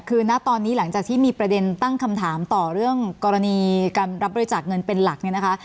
คือณตอนนี้หลังจากที่มีประเด็นตั้งคำถามต่อเรื่องกรณีการรับบริจาคเงินเป็นหลักเนี่ยนะคะ